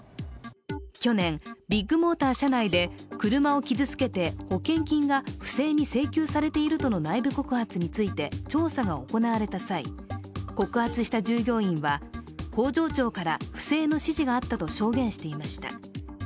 去年、ビッグモーター社内で車を傷つけて保険金が不正に請求されているとの内部告発について調査が行われた際、告発した従業員は工場長から不正の指示があったと証言していました。